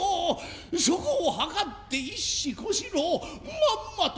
そこを計って一子小四郎をまんまと